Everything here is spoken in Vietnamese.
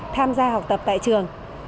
tham gia học tập tại trường